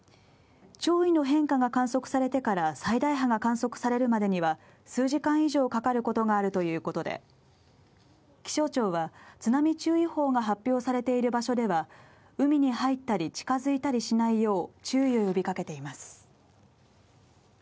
潮位の変化が観測されてから最大波が観測されるまでには数時間以上かかることがあるということで、気象庁は津波注意報が発表されている場所では海に入ったり近づいたりしないよう注意を呼びかけています。